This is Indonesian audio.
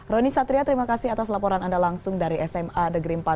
roni satria terima kasih atas laporan anda langsung dari sma negeri empat